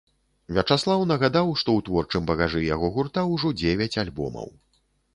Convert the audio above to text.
Вячаслаў нагадаў, што ў творчым багажы яго гурта ўжо дзевяць альбомаў.